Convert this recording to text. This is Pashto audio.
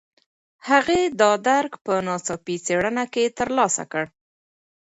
هغې دا درک په ناڅاپي څېړنه کې ترلاسه کړ.